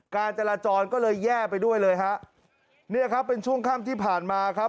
การจราจรก็เลยแย่ไปด้วยเลยฮะเนี่ยครับเป็นช่วงค่ำที่ผ่านมาครับ